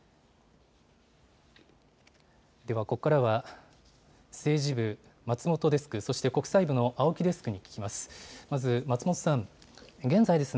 ここからは政治部、松本デスク、そして国際部の青木デスクに聞きます。